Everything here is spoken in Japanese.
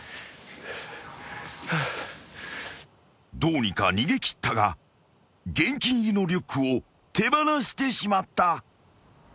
［どうにか逃げ切ったが現金入りのリュックを手放してしまった］